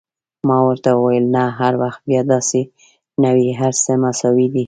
ما ورته وویل: نه، هر وخت بیا داسې نه وي، هر څه مساوي دي.